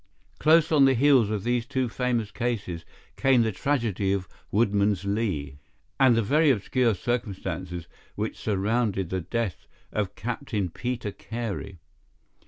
Close on the heels of these two famous cases came the tragedy of Woodman's Lee, and the very obscure circumstances which surrounded the death of Captain Peter Carey.